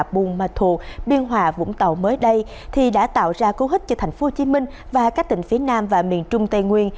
buôn ma thu biên hòa vũng tàu mới đây thì đã tạo ra cố hức cho tp hcm và các tỉnh phía nam và miền trung tây nguyên